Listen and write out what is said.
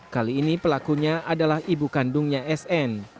kali ini pelakunya adalah ibu kandungnya sn